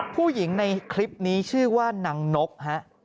ผู้หญิงในคลิปนี้ชื่อว่านางนกฮะ